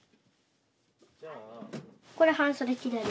これ半袖着れる。